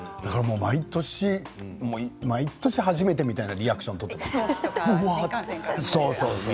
毎年、初めてみたいなリアクションを取っています。